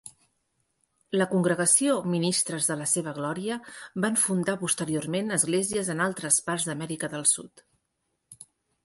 La congregació Ministres de la seva glòria van fundar posteriorment esglésies en altres parts d'Amèrica de Sud.